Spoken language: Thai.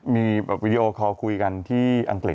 มีวีดีโอคอลคุยกันที่อังกฤษ